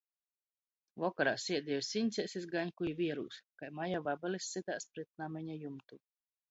Vokorā siedieju siņcēs iz gaņku i vierūs, kai maja vabalis sytās pret nameņa jumtu.